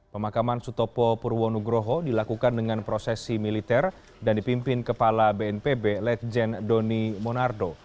pemakaman sutopo purwonugroho dilakukan dengan prosesi militer dan dipimpin kepala bnpb lejen doni monardo